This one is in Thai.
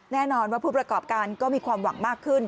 แน่นอนว่าผู้ประกอบการก็มีความหวังมากขึ้น